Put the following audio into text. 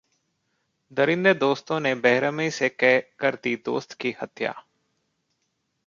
दरिंदे दोस्तों ने बेरहमी से कर दी दोस्त की हत्या